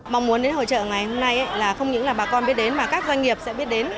mong muốn đến hội trợ ngày hôm nay là không những là bà con biết đến mà các doanh nghiệp sẽ biết đến